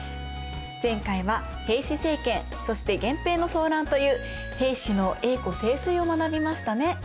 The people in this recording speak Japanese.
前回は平氏政権そして源平の争乱という平氏の栄枯盛衰を学びましたね。